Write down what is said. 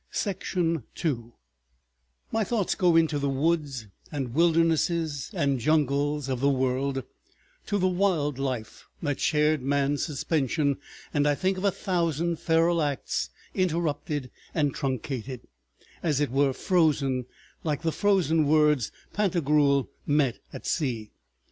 ...§ 2 My thoughts go into the woods and wildernesses and jungles of the world, to the wild life that shared man's suspension, and I think of a thousand feral acts interrupted and truncated—as it were frozen, like the frozen words Pantagruel met at sea.